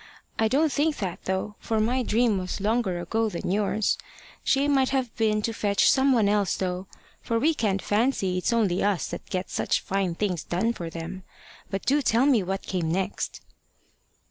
I don't think that, though, for my dream was longer ago than yours. She might have been to fetch some one else, though; for we can't fancy it's only us that get such fine things done for them. But do tell me what came next."